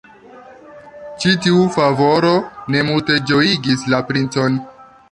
Ĉi tiu favoro ne multe ĝojigis la princon.